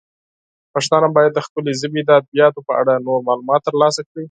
پښتانه باید د خپلې ژبې د ادبیاتو په اړه نور معلومات ترلاسه کړي.